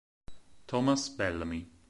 Thomas Bellamy